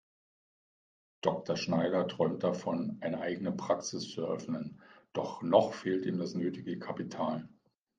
Dr. Schneider träumt davon, eine eigene Praxis zu eröffnen, doch noch fehlt ihm das nötige Kapital.